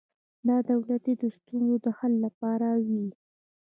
دا د ټولنې د ستونزو د حل لپاره وي.